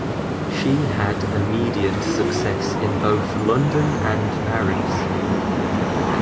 She had immediate success in both London and Paris.